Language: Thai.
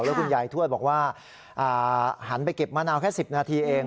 แล้วคุณยายทวดบอกว่าหันไปเก็บมะนาวแค่๑๐นาทีเอง